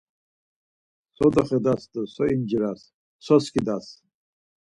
So doxedas do so inciras, so skidas?